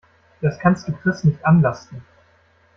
Das kannst du Chris nicht anlasten.